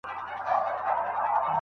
هغه څېړونکی چي تجربه لري ښه کار کوي.